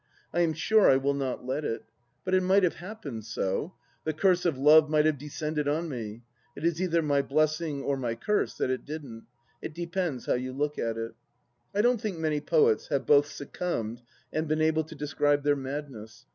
I am sure I will not let it. But it might have happened so. The curse of Love might have descended on me. It is either my blessing or my curse that it didn't. It depends how you look at it. I don't think many poets have both succumbed and. been able to describe their madness.